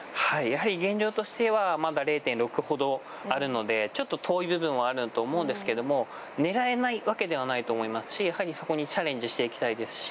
やはり現状としてはまだ０．６ほどあるのでちょっと遠い部分はあると思うんですけれどもねらえないわけではないと思いますしそこにチャレンジしていきたいですし。